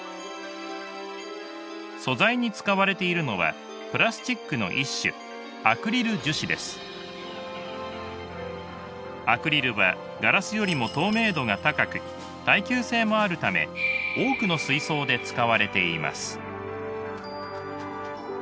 素材に使われているのはプラスチックの一種アクリルはガラスよりも透明度が高く耐久性もあるため多くの水槽で使われています。